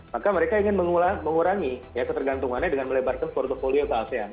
maka mereka ingin mengurangi ketergantungannya dengan melebarkan portfolio ke asean